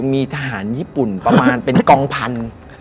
มีทหารญี่ปุ่นประมาณเป็นกองพันธุ์